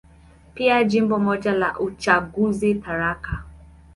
Pia Jimbo moja la uchaguzi, Tharaka.